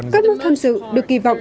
các nước tham dự được kỳ vọng